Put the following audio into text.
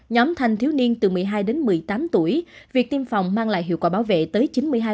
nhóm thanh thiếu niên từ một mươi hai đến một mươi tám tuổi việc tiêm phòng mang lại hiệu quả bảo vệ tới chín mươi hai